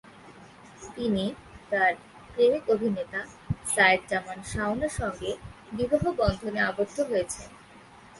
তিনি তার প্রেমিক অভিনেতা সায়েদ জামান শাওন-এর সঙ্গে বিবাহ বন্ধনে আবদ্ধ হয়েছেন।